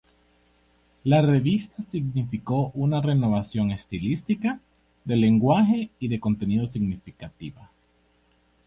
La revista significó una renovación estilística, de lenguaje y de contenido significativa.